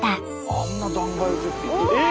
あんな断崖絶壁え！